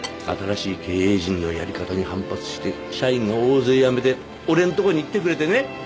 新しい経営陣のやり方に反発して社員が大勢辞めて俺んとこに来てくれてね。